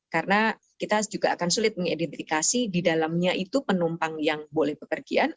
karena kita juga akan sulit mengidentifikasi di dalamnya itu penumpang yang boleh pekerjian